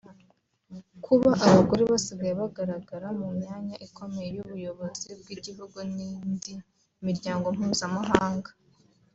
Kuba abagore basigaye bagaragara mu myanya ikomeye y’ubuyobozi bw’ibihugu n’indi miryango mpuzamahanga